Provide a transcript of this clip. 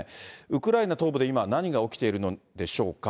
ウクライナ東部で今、何が起きているのでしょうか。